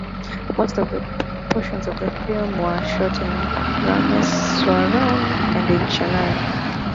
Most of the portions of the film were shot in Rameswaram and in Chennai.